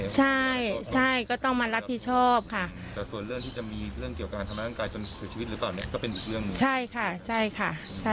ใช่ค่ะใช่ค่ะ